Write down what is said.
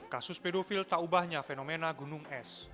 kasus pedofil tak ubahnya fenomena gunung es